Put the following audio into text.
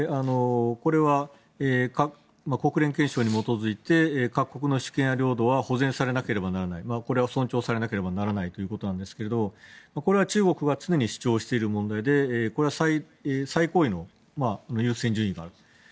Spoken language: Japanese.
これは国連憲章に基づいて各国の主権や領土は保全されなければならないこれは尊重されなければならないということなんですがこれは中国が常に主張している問題でこれは最高位の優先順位がある。